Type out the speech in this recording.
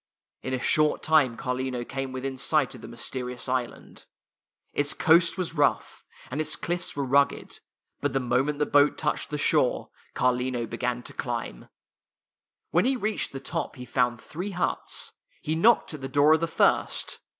In a short time Carlino came within sight of the mysterious island. Its coast was rough, and its cliffs were rugged, but the moment the boat touched the shore, Carlino began to climb. [ 3 ] FAVORITE FAIRY TALES RETOLD When he reached the top he found three huts. He knocked at the door of the first.